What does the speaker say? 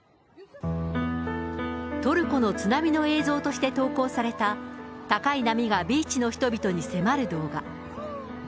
トルコの津波の映像として投稿された、高い波がビーチの人々に迫る動画。